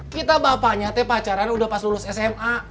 kita bapaknya eh pacaran udah pas lulus sma